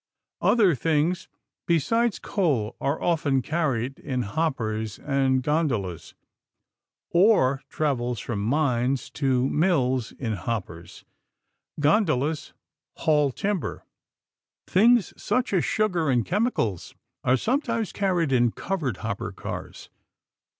Other things besides coal are often carried in hoppers and gondolas. Ore travels from mines to mills in hoppers. Gondolas haul lumber. Things such as sugar and chemicals are sometimes carried in covered hopper cars.